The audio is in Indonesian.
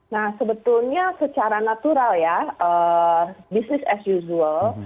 nah sebetulnya secara natural ya business as usual